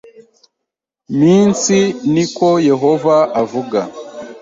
minsi ni ko Yehova avuga